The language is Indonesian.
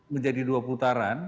menjadi dua putaran